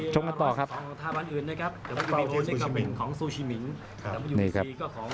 ชมกันต่อครับ